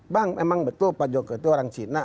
bang memang betul pak jokowi itu orang cina